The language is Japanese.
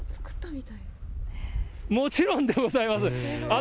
もちろんでございます。